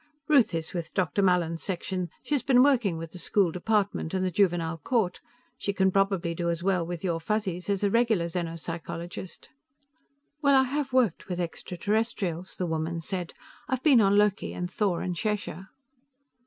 "Ruth is with Dr. Mallin's section; she's been working with the school department and the juvenile court. She can probably do as well with your Fuzzies as a regular xeno psychologist." "Well, I have worked with extraterrestrials," the woman said. "I've been on Loki and Thor and Shesha."